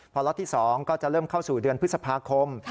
พอล็อตที่๒ก็จะเริ่มเข้าสู่เดือนพฤษภาคม